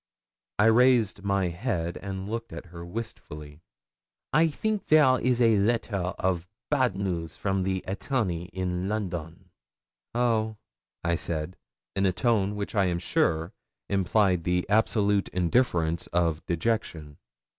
I raised my head and looked at her wistfully. 'I think there is letter of bad news from the attorney in London.' 'Oh!' I said, in a tone which I am sure implied the absolute indifference of dejection.